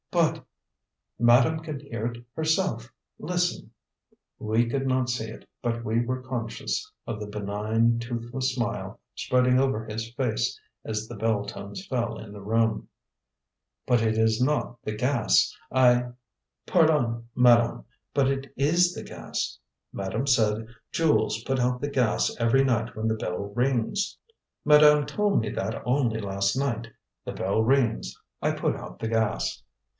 "But " "Madame can hear it herself. Listen!" We could not see it, but we were conscious of the benign, toothless smile spreading over his face as the bell tones fell in the room. "But it is not the gas. I " "Pardon, madame; but it is the gas. Madame said, 'Jules, put out the gas every night when the bell rings.' Madame told me that only last night. The bell rings: I put out the gas."